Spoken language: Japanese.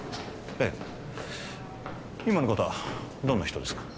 ええ今の方どんな人ですか？